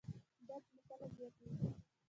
درد مو کله زیاتیږي؟